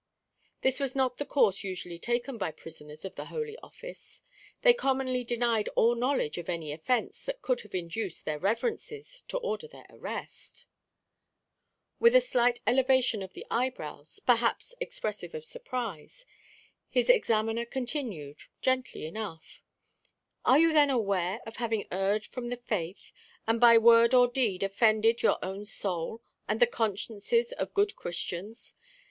This was not the course usually taken by prisoners of the Holy Office. They commonly denied all knowledge of any offence that could have induced "their reverences" to order their arrest With a slight elevation of the eyebrows, perhaps expressive of surprise, his examiner continued, gently enough, "Are you then aware of having erred from the faith, and by word or deed offended your own soul, and the consciences of good Christians?